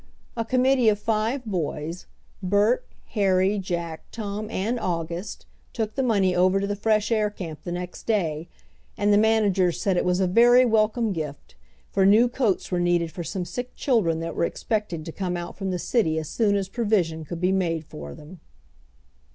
A committee of five boys, Bert, Harry, Jack, Tom, and August, took the money over to the fresh air camp the next day, and the managers said it was a very welcome gift, for new coats were needed for some sick children that were expected to come out from the city as soon as provision could be made for them.